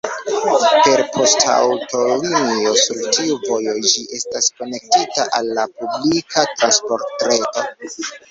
Per poŝtaŭtolinio sur tiu vojo, ĝi estas konektita al la publika transportreto.